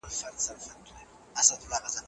هارون